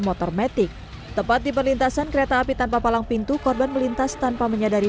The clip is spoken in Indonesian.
motor metik tepat di perlintasan kereta api tanpa palang pintu korban melintas tanpa menyadari